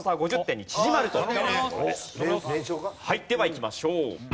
ではいきましょう。